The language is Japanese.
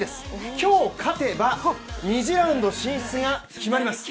今日勝てば、２次ラウンド進出が決まります。